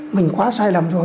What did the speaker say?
mình quá sai lầm rồi